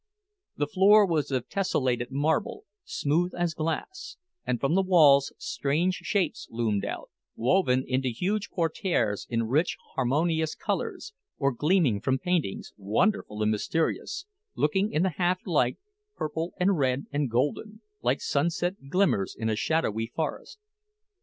The floor was of tesselated marble, smooth as glass, and from the walls strange shapes loomed out, woven into huge portieres in rich, harmonious colors, or gleaming from paintings, wonderful and mysterious looking in the half light, purple and red and golden, like sunset glimmers in a shadowy forest.